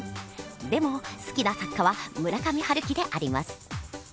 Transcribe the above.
でも好きな作家は村上春樹であります。